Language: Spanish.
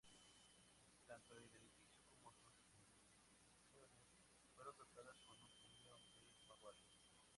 Tanto el edificio como sus exhibiciones fueron dotadas con un diseño de vanguardia.